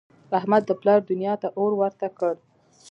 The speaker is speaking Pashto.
احمد د پلار دونیا ته اور ورته کړ.